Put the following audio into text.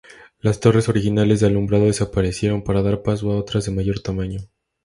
Las torres originales de alumbrado desaparecieron para dar paso a otras de mayor tamaño.